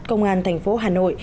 công an thành phố hà nội